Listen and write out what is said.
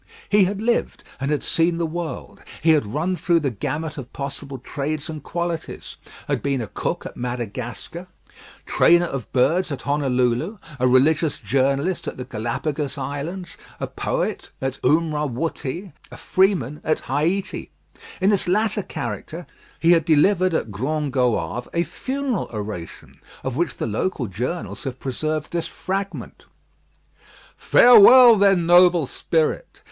He had lived, and had seen the world. He had run through the gamut of possible trades and qualities; had been a cook at Madagascar, trainer of birds at Honolulu, a religious journalist at the Galapagos Islands, a poet at Oomrawuttee, a freeman at Haiti. In this latter character he had delivered at Grand Goave a funeral oration, of which the local journals have preserved this fragment: "Farewell, then, noble spirit.